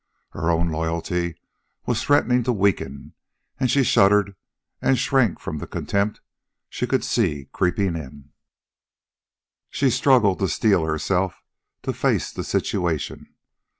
Her own loyalty was threatening to weaken, and she shuddered and shrank from the contempt she could see creeping in. She struggled to steel herself to face the situation.